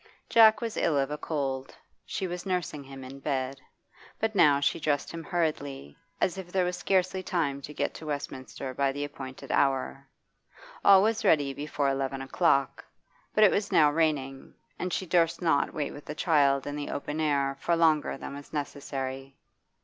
Jack was ill of a cold she was nursing him in bed. But now she dressed him hurriedly, as if there were scarcely time to get to Westminster by the appointed hour. All was ready before eleven o'clock, but it was now raining, and she durst not wait with the child in the open air for longer than was necessary.